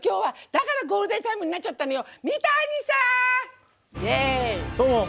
だからゴールデンタイムになっちゃったのよ！